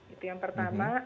itu yang pertama